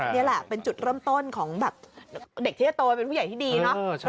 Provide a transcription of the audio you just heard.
นี่แหละเป็นจุดเริ่มต้นของแบบเด็กที่จะโตเป็นผู้ใหญ่ที่ดีเนาะ